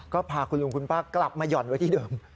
ก็พาคุณลุงคุณป้ากลับมาหย่อนไว้ที่เดิม